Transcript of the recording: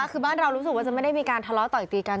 คือบ้านเรารู้สึกว่าจะไม่ได้มีการทะเลาะต่อยตีกัน